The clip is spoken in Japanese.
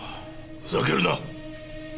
ふざけるな！